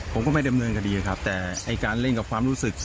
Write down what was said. ผมก็ไม่ดำเนินคดีครับแต่ไอ้การเล่นกับความรู้สึก